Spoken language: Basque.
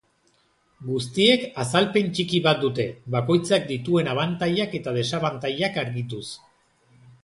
Guztiek azalpen txiki bat dute, bakoitzak dituen abantailak eta desabantailak argituz.